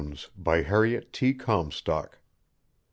HARRIET T. COMSTOCK.